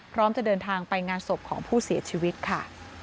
พร้อมจะเดินทางไปงานศพของผู้เสียชีวิตค่ะ